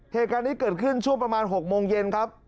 เหตุการณ์นี้เกิดขึ้นช่วงประมาณ๖โมงเย็นครับ